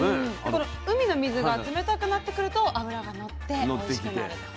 この海の水が冷たくなってくると脂がのっておいしくなると。